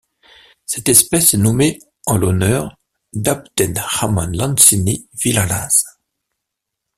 Cette espèce est nommée en l'honneur d'Abdem Ramón Lancini Villalaz.